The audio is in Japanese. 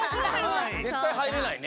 ぜったいはいれないね。